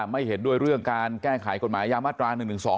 ไม่เห็นด้วยเรื่องการแก้ขายกฎหมายยามาตราหนึ่งหนึ่งสอง